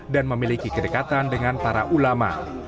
dan memiliki kedekatan dengan para ulama